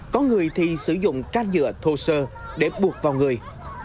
có người thì sử dụng canh dựa thô sơ để buộc vào người